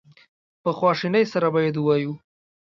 په خواشینی سره باید ووایو.